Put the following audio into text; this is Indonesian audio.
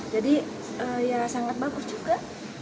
ya sangat bagus juga